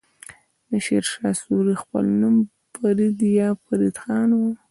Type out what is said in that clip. د شير شاه سوری خپل نوم فريد يا فريد خان وه.